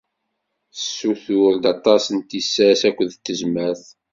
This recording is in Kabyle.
Tessutur-d aṭas n tissas akked tezmert.